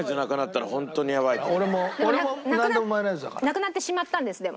なくなってしまったんですでも。